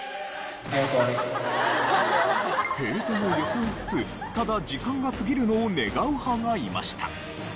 平然を装いつつただ時間が過ぎるのを願う派がいました。